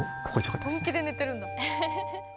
本気で寝てるんだ。